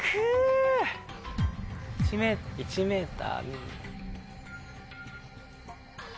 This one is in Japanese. １ｍ。